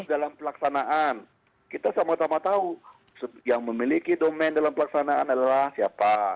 dalam pelaksanaan kita sama sama tahu yang memiliki domain dalam pelaksanaan adalah siapa